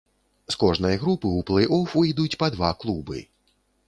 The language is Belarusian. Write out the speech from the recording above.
З кожнай групы ў плэй-оф выйдуць па два клубы.